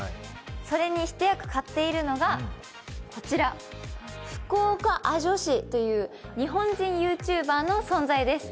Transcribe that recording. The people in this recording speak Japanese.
それにひと役買っているのがこちら、福岡アジョシという日本人ＹｏｕＴｕｂｅｒの存在です。